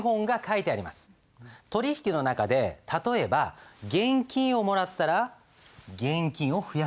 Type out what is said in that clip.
取り引きの中で例えば現金をもらったら現金を増やす。